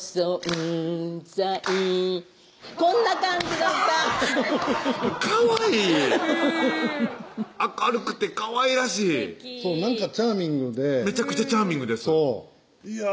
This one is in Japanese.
うん明るくてかわいらしいそうなんかチャーミングでめちゃくちゃチャーミングですいや